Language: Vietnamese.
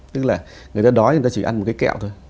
tức là người ta đói người ta chỉ ăn một cái kẹo thôi